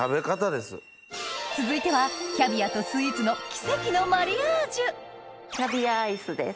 続いてはキャビアとスイーツの奇跡のマリアージュキャビアアイスです。